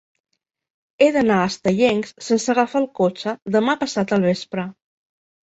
He d'anar a Estellencs sense agafar el cotxe demà passat al vespre.